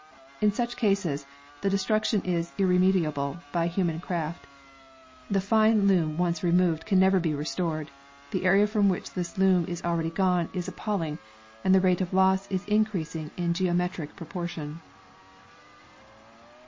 In such eases the de struction is irremediable by human craft—the fine loam once removed can never be restored. The area from which this loam is already gone is appalling, and the rate of loss is increasing in a geometric proportion.